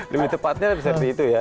lebih tepatnya seperti itu ya